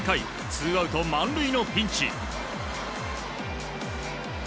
ツーアウト満塁のピンチ。